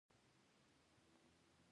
زه د نورو بریاوو ته خوشحالیږم.